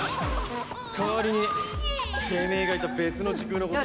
代わりにてめえがいた別の時空のこと。